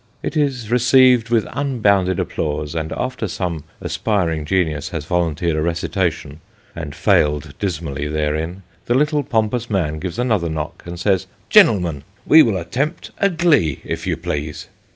It is received with unbounded applause, and after some aspiring 44 Sketches by Boz. genius has volunteered a recitation, and failed dismally therein, the little pompous man gives another knock, and says " GenTmen, we will attempt a glee, if you please."